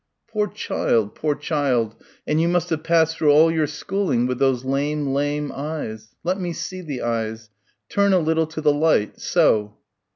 "Poor child, poor child, and you must have passed through all your schooling with those lame, lame eyes ... let me see the eyes ... turn a little to the light ... so."